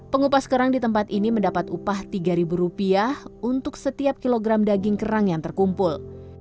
pengupas kerang di tempat ini mendapat upah rp tiga untuk setiap kilogram daging kerang yang terkumpul